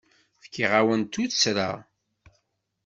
Fkiɣ-awen-d tuttra.